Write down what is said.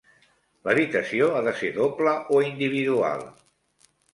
L'habitació ha de ser doble o individual?